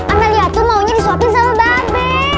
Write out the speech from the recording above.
amelie tuh maunya disuapin sama babe